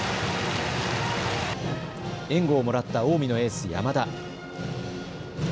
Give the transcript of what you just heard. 援護をもらった近江のエース山田。